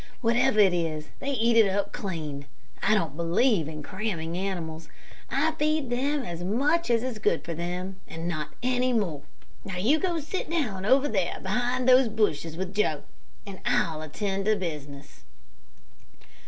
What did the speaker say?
Whatever it is, they eat it up clean. I don't believe in cramming animals. I feed them as much as is good for them, and not any more. Now, you go sit down over there behind those bushes with Joe, and I'll attend to business."